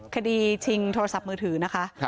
คดีชิงโทรศัพท์มือถือนะคะ